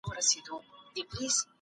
ولي ځيني هیوادونه نوی ولسمشر نه مني؟